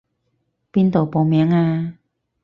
邊度報名啊？